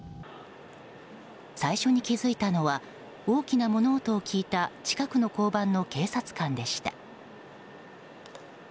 最初に気付いたのは大きな物音を聞いた近くの交番の警察官でした。